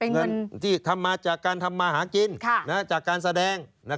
เงินที่ทำมาจากการทำมาหากินจากการแสดง